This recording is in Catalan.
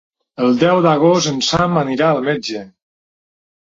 El deu d'agost en Sam anirà al metge.